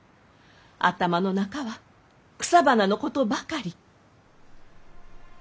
頭の中は草花のことばかり。